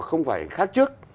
không phải khác trước